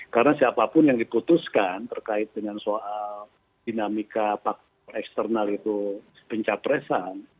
karena siapapun yang diputuskan terkait dengan soal dinamika faktor eksternal itu pencapresan